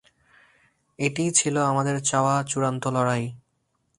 এটাই ছিল আমাদের চাওয়া "চূড়ান্ত লড়াই"।